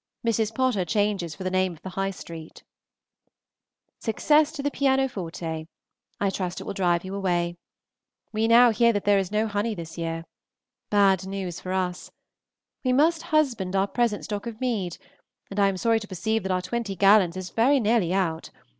Mrs. Potter charges for the name of the High St. Success to the pianoforte! I trust it will drive you away. We hear now that there is to be no honey this year. Bad news for us. We must husband our present stock of mead, and I am sorry to perceive that our twenty gallons is very nearly out.